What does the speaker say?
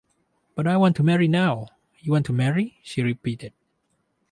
“But I want to marry now —” “You want to marry?” she repeated.